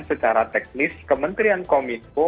secara teknis kementerian kominfo